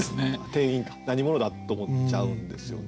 店員が何者だ？と思っちゃうんですよね。